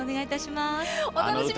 お楽しみに！